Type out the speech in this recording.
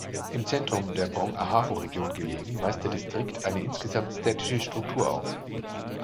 Im Zentrum der Brong-Ahafo Region gelegen weist der Distrikt einen insgesamt städtische Struktur auf.